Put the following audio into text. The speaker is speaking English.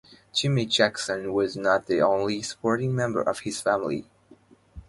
Jimmy Jackson was not the only sporting member of his family.